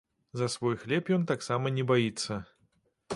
За свой хлеб ён таксама не баіцца.